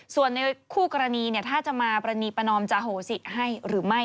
ส่วนในคู่กรณีถ้าจะมาปรณีประนอมจะโหสิให้หรือไม่